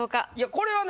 これはね